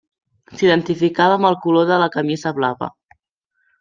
S'identifica amb el color de camisa blava.